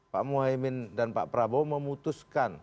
pak muhaymin dan pak prabowo memutuskan